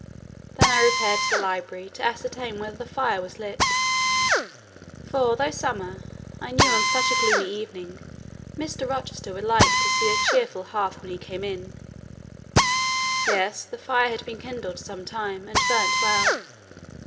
Then I repaired to the library to ascertain whether the fire was lit, for, though summer, I knew on such a gloomy evening Mr. Rochester would like to see a cheerful hearth when he came in: yes, the fire had been kindled some time, and burnt well.